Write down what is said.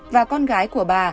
và con gái của bà